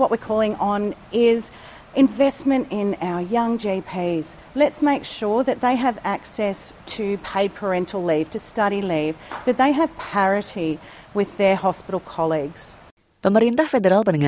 bagi mahasiswa kedokteran seperti imali macdonald